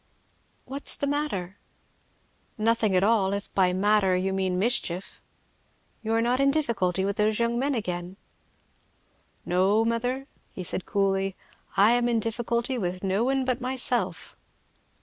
"What is the matter?" "Nothing at all if by 'matter' you mean mischief." "You are not in difficulty with those young men again?" "No mother," said he coolly. "I am in difficulty with no one but myself."